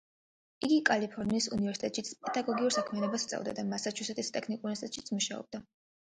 იგი კალიფორნიის უნივერსიტეტშიც პედაგოგიურ საქმიანობას ეწეოდა, და მასაჩუსეტსის ტექნიკურ უნივერსიტეტში მუშაობდა.